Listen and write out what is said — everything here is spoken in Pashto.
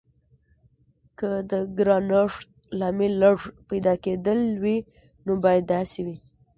که د ګرانښت لامل لږ پیدا کیدل وي نو باید داسې وي.